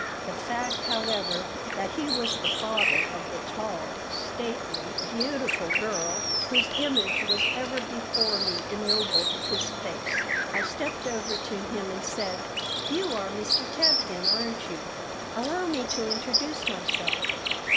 The fact, however, that he was the father of the tall, stately, beautiful girl whose image was ever before me ennobled his face I stepped over to him and said: "You are Mr. Tevkin, aren't you? Allow me to introduce myself.